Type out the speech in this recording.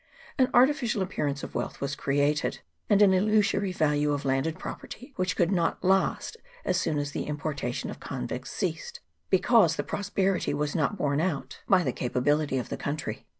An artificial appearance of wealth was created, and an illusory value of landed property which could not last as soon as the importation of convicts ceased, because the pros perity was not borne out by the capability of the country.